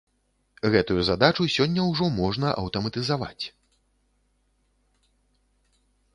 Гэтую задачу сёння ўжо можна аўтаматызаваць.